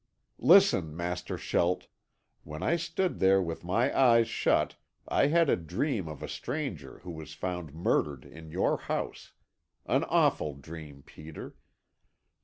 Listen, Master Schelt. When I stood there with my eyes shut I had a dream of a stranger who was found murdered in your house. An awful dream, Peter.